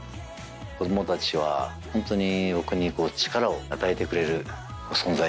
子どもたちはホントに僕に力を与えてくれる存在ですね。